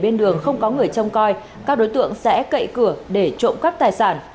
bên đường không có người trông coi các đối tượng sẽ cậy cửa để trộm cắp tài sản